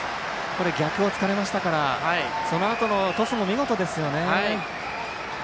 逆を突かれましたがそのあとのトスも見事でしたね。